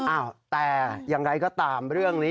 อ้าวแต่อย่างไรก็ตามเรื่องนี้